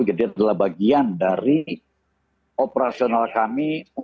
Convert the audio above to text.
jadi adalah bagian dari operasional kami untuk